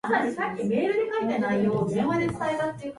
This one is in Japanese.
南スーダンの首都はジュバである